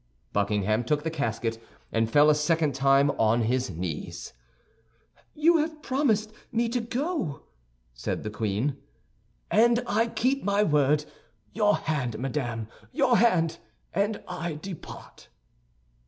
Buckingham took the casket, and fell a second time on his knees. "You have promised me to go," said the queen. "And I keep my word. Your hand, madame, your hand, and I depart!"